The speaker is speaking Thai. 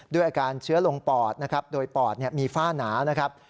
ด้วยอาการเชื้อลงปอดนะครับโดยปอดมีฝ้าหนานะครับ